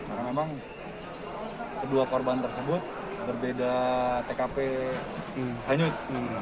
karena memang kedua korban tersebut berbeda tkp hanyut